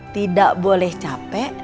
tidak boleh capek